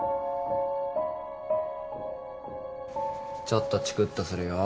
ちょっとチクッとするよ。